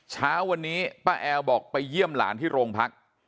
เช้าวันนี้ป้าแอลบอกไปเยี่ยมหลานที่โรงพัก